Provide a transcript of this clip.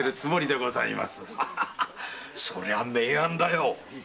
そりゃ名案だよ！